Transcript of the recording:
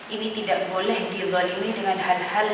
ini tidak boleh didalimi dengan hal hal